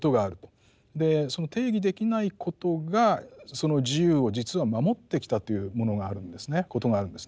その定義できないことがその自由を実は守ってきたということがあるんですね。